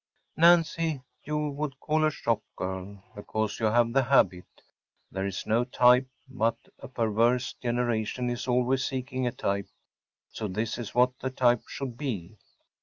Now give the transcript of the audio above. Nancy you would call a shop girl‚ÄĒbecause you have the habit. There is no type; but a perverse generation is always seeking a type; so this is what the type should be.